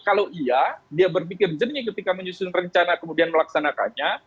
kalau iya dia berpikir jernih ketika menyusun rencana kemudian melaksanakannya